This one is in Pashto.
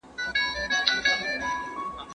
که کمپیوټر خراب سي نو کار به ودرېږي.